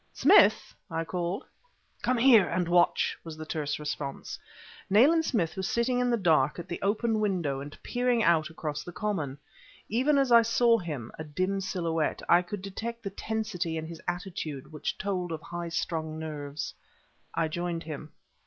"Smith!" I called. "Come here and watch!" was the terse response. Nayland Smith was sitting in the dark at the open window and peering out across the common. Even as I saw him, a dim silhouette, I could detect that tensity in his attitude which told of high strung nerves. I joined him.